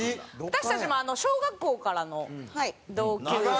私たちも小学校からの同級生で。